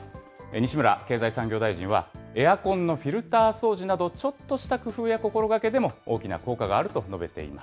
西村経済産業大臣は、エアコンのフィルター掃除など、ちょっとした工夫や心がけでも大きな効果があると述べています。